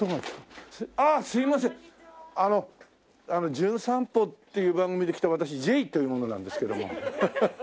『じゅん散歩』っていう番組で来た私Ｊという者なんですけども。